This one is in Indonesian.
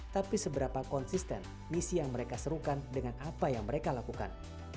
tapi seberapa konsisten misi yang mereka serukan dengan apa yang mereka lakukan